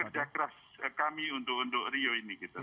kerja keras kami untuk rio ini gitu